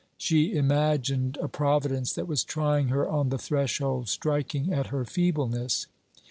She imagined a Providence that was trying her on the threshold, striking at her feebleness.